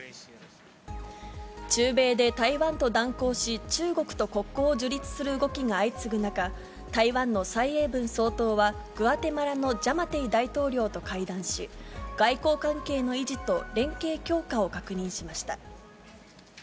中米で台湾と断交し、中国と国交を樹立する動きが相次ぐ中、台湾の蔡英文総統は、グアテマラのジャマテイ大統領と会談し、外交関係の維持と連携強化を確認しました。